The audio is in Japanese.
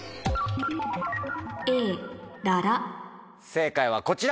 正解はこちら。